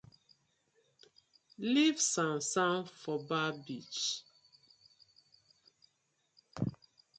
Leave sand sand for bar beach.